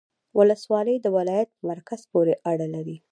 ولسوالۍ د ولایت په مرکز پوري اړه لري